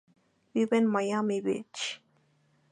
Vive en Miami Beach.